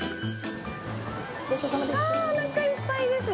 あ、おなかいっぱいですね。